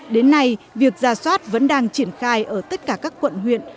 đến nay việc ra soát vẫn đang triển khai ở tất cả các quận huyện